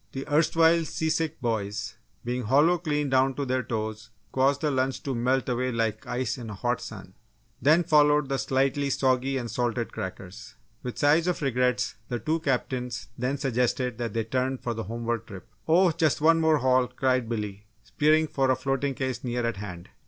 The erstwhile seasick boys, being hollow clean down to their toes, caused the lunch to melt away like ice in a hot sun. Then followed the slightly soggy and salted crackers. With sighs of regrets, the two captains then suggested that they turn for the homeward trip, "Oh, just one more haul!" cried Billy, spearing for a floating case near at hand.